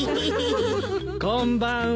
こんばんは。